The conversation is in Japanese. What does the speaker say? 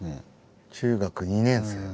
中学２年生。